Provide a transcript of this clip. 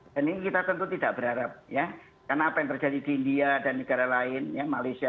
dan ini kita tentu tidak berharap ya karena apa yang terjadi di india dan negara lain yang malaysia